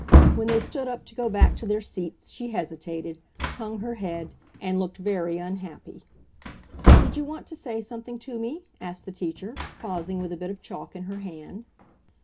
When they stood up to go back to their seats she hesitated, hung her head, and looked very unhappy. "Did you want to say something to me?" asked the teacher, pausing with a bit of chalk in her hand.